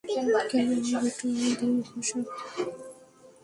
কেন, ব্যাটা দু মুখো সাপ!